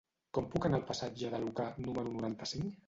Com puc anar al passatge de Lucà número noranta-cinc?